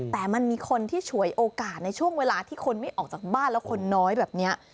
แต่มันมีคนที่ฉวยโอกาสในช่วงเวลาที่คนไม่ออกจากบ้านแล้วคนน้อยแบบนี้